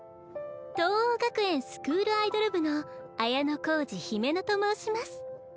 藤黄学園スクールアイドル部の綾小路姫乃と申します。